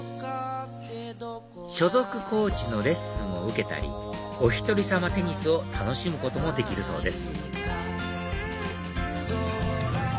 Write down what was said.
所属コーチのレッスンを受けたりお１人様テニスを楽しむこともできるそうです